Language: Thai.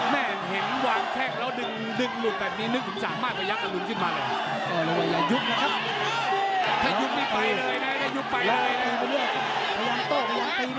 แม่นเห็มวางแข่งแล้วดึงหลุดแบบนี้